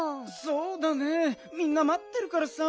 そうだねみんなまってるからさ。